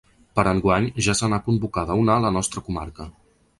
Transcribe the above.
Per a enguany ja se n’ha convocada una a la nostra comarca.